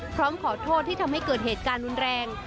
พร้อมขอโทษที่ทำให้เกิดเหตุการณ์รุนแรง